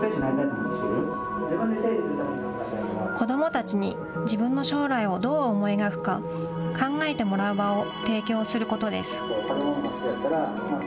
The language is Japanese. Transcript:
子どもたちに自分の将来をどう思い描くか考えてもらう場を提供することです。